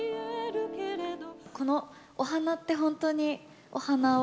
このお花って本当にお花を？